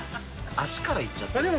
足からいっちゃってる。